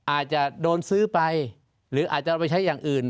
อาจจะโดนซื้อไปหรืออาจจะเอาไปใช้อย่างอื่น